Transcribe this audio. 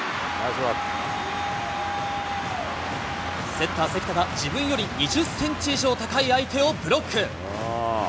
セッター、関田が自分より２０センチ以上高い相手をブロック。